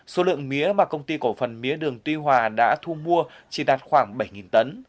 số lượng mía mà công ty cổ phần mía đường tuy hòa đã thu mua chỉ đạt khoảng bảy tấn